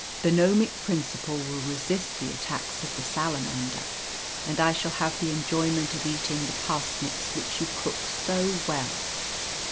The gnomic principle will resist the attacks of the salamander, and I shall have the enjoyment of eating the parsnips which you cook so well.